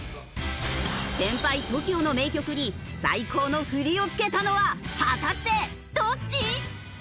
先輩ＴＯＫＩＯの名曲に最高の振りを付けたのは果たしてどっち！？